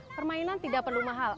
permainan tidak perlu mahal